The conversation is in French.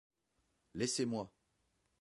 Laissez-moi !